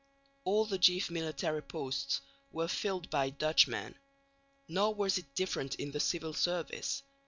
All the chief military posts were filled by Dutchmen. Nor was it different in the civil service.